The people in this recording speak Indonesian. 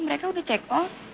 mereka udah check out